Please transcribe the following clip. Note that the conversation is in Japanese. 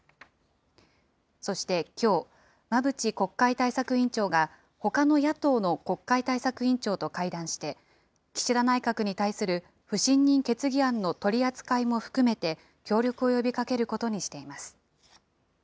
そしてきょう、馬淵国会対策委員長が、ほかの野党の国会対策委員長と会談して、岸田内閣に対する不信任決議案の取り扱いも含めて協力を呼びかけることにしています。